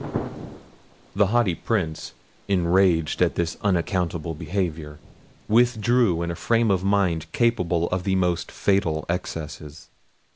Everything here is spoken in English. The haughty Prince, enraged at this unaccountable behaviour, withdrew in a frame of mind capable of the most fatal excesses.